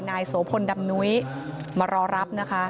นายโสพลดำนุ้ยมารอรับนะคะ